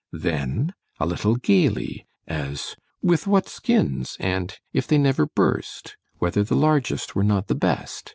—Then a little gayly,—as, "With what skins——and if they never burst——Whether the largest were not the best?"